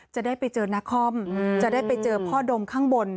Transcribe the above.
จะได้ไปเจอนาคอมจะได้ไปเจอพ่อดมข้างบน